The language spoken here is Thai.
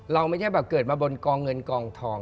เราไม่ได้แบบเกิดมาบนกองเงินกองทอง